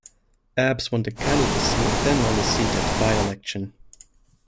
Abse won the candidacy and then won the seat at the by-election.